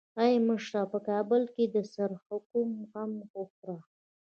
ای مشره په کابل کې د څرخکو غم وخوره.